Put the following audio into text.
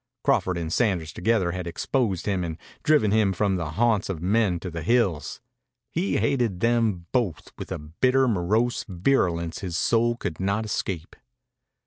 Crawford and Sanders together had exposed him and driven him from the haunts of men to the hills. He hated them both with a bitter, morose virulence his soul could not escape.